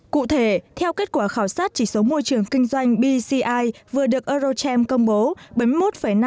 cụ thể theo kết quả khảo sát chỉ số môi trường kinh doanh bci vừa được erocharm công bố